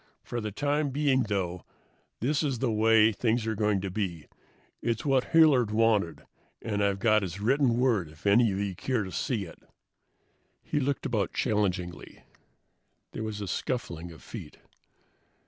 For the time being, though, this is the way things are going to be. It's what Hilliard wanted, and I've got his written word if any of you care to see it." He looked about challengingly. There was a scuffling of feet.